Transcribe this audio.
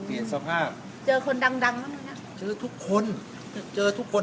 เปลี่ยนสภาพเจอคนดังดังแล้วนะเจอทุกคนเจอทุกคน